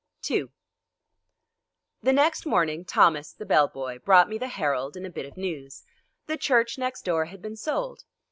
II The next morning, Thomas, the bell boy, brought me the Herald and a bit of news. The church next door had been sold.